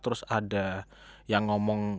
terus ada yang ngomong